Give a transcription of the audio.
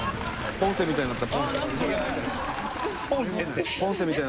ポンセみたいになった。